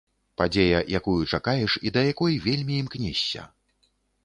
Падзея, якую чакаеш, і да якой вельмі імкнешся.